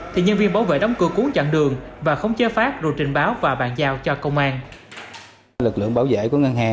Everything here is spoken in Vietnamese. thì nhân viên bảo vệ đóng cửa cuốn chặn đường và khống chế phát rồi trình báo và bàn giao cho công an